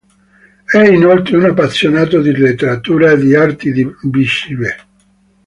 È inoltre un appassionato di letteratura e di arti visive.